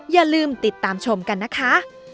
อย่าลืมติดตามชมกันนะคะ